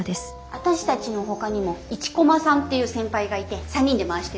私たちのほかにも一駒さんっていう先輩がいて３人で回してるの。